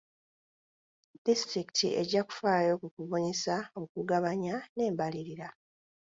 Disitulikiti ejja kufaayo ku kubunyisa, okugabanya n'embalirira.